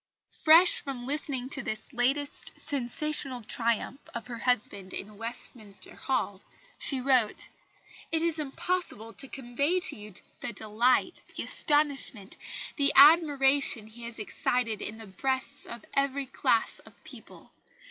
Fresh from listening to this latest sensational triumph of her husband in Westminster Hall, she wrote: "It is impossible to convey to you the delight, the astonishment, the admiration he has excited in the breasts of every class of people.